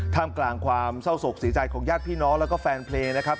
ท่ามกลางความเศร้าศกษิจัยของญาติพี่น้องและแฟนเพลย์นะครับ